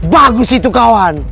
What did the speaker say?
bagus itu kawan